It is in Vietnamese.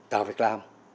tạo việc làm